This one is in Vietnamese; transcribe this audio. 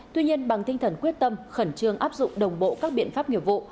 tuy nhiên bằng tinh thần quyết tâm khẩn trương áp dụng đồng bộ các biện pháp nghiệp vụ